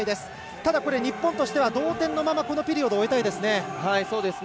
ただ、日本としては同点のままこのピリオドを終えたいですね。